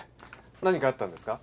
何かあったんですか？